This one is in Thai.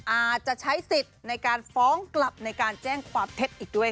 อาจจะใช้สิทธิ์ในการฟ้องกลับในการแจ้งความเท็จอีกด้วย